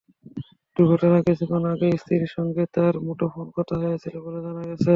দুর্ঘটনার কিছুক্ষণ আগেই স্ত্রীর সঙ্গে তাঁর মুঠোফোনে কথাও হয়েছিল বলে জানা গেছে।